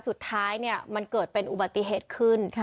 สุดท้ายมันเกิดเป็นอุบัติเหตุขึ้น